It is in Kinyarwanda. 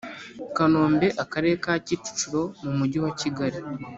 Kanombe Akarere ka Kicukiro mu mujyi wakigali